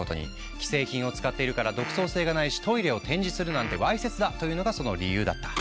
既製品を使っているから独創性がないしトイレを展示するなんてわいせつだというのがその理由だった。